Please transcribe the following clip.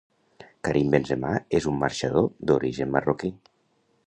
Karim Benzema és un marxador d'origen marroquí.